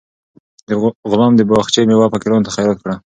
غلام د باغچې میوه فقیرانو ته خیرات کړه.